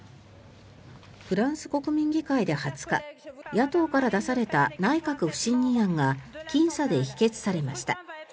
フランス国民議会で２０日野党から出された内閣不信任案がきん差で否決されました。